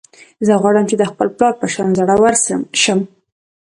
زه غواړم چې د خپل پلار په شان زړور شم